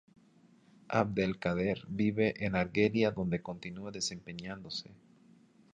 Abdelkader vive en Argelia donde continúa desempeñándose.